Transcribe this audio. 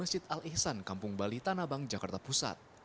masjid al ihsan kampung bali tanabang jakarta pusat